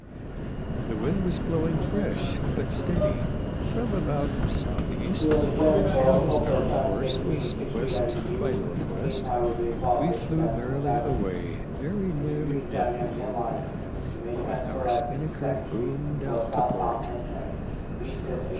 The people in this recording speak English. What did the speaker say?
The wind was blowing fresh, but steady, from about south east, and as our course was west north west, we flew merrily away very nearly dead before the wind, with our spinnaker boomed out to port.